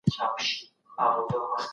احمد شاه ابدالي ولي لوی پوځ جوړ کړ؟